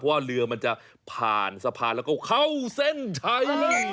ว่าเรือมันจะผ่านสะพานแล้วก็เข้าเส้นชัย